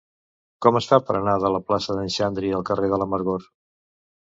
Com es fa per anar de la plaça d'en Xandri al carrer de l'Amargor?